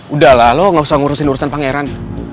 udahlah lo gak usah ngurusin urusan pangeran